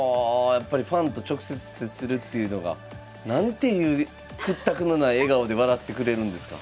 やっぱりファンと直接接するっていうのが。なんていう屈託のない笑顔で笑ってくれるんですか。